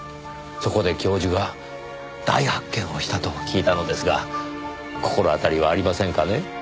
そこで教授が大発見をしたと聞いたのですが心当たりはありませんかね？